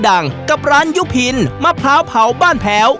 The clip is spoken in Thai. กับร้านยุพินมะพร้าวเผาบ้านแพ้ว